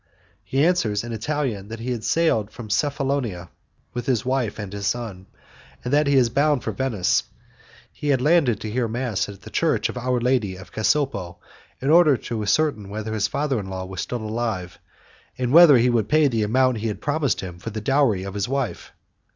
He answers in Italian that he has sailed from Cephalonia with his wife and his son, and that he is bound for Venice; he had landed to hear mass at the Church of Our Lady of Casopo, in order to ascertain whether his father in law was still alive, and whether he would pay the amount he had promised him for the dowry of his wife.